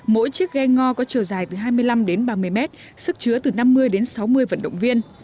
mỗi chiếc ghe ngo có chiều dài từ hai mươi năm đến ba mươi mét sức chứa từ năm mươi đến sáu mươi vận động viên